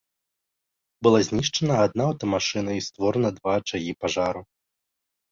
Была знішчана адна аўтамашына і створана два ачагі пажару.